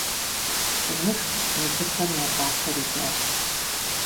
Фымышх, мыбыхэм я пӏалъэр икӏащ.